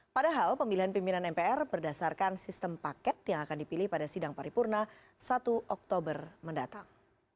padahal pemilihan pimpinan mpr berdasarkan sistem paket yang akan dipilih pada sidang paripurna satu oktober mendatang